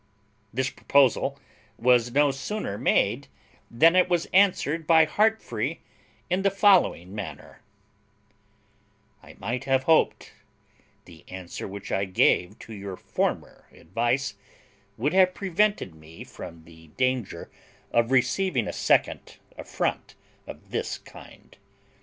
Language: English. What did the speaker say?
This proposal was no sooner made than it was answered by Heartfree in the following manner: "I might have hoped the answer which I gave to your former advice would have prevented me from the danger of receiving a second affront of this kind.